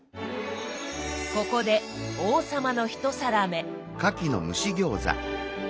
ここで王様の１皿目。